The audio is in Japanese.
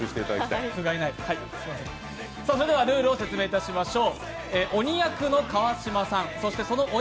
それではルールを説明いたしまょう。